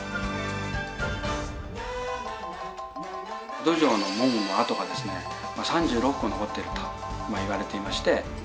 江戸城の門の跡がですね３６個残っているといわれていまして。